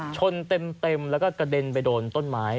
ชนเต็มแล้วก็กระเด็นไปโดนต้นไม้